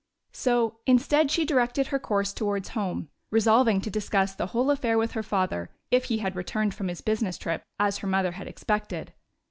So instead she directed her course towards home, resolving to discuss the whole affair with her father, if he had returned from his business trip, as her mother had expected.